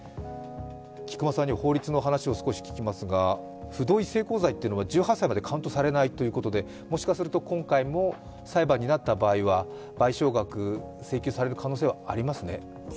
菊間さんに法律の話を少し聞きますが不同意性交罪というのは１８歳までカウントされないということでもしかすると今回も裁判になった場合は、賠償額請求される可能性はありますね。